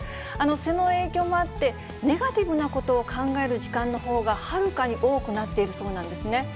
その影響もあって、ネガティブなことを考える時間のほうが、はるかに多くなっているそうなんですね。